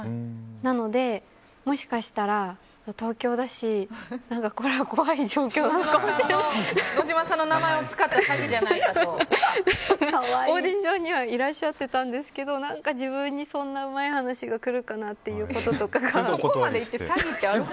なので、もしかしたら東京だしこれは怖い状況なのかもしれないって。野島さんの名前を使った詐欺じゃないかと。オーディションにはいらっしゃってたんですけどなんか自分にそんなうまい話が来るかなっていうこととか。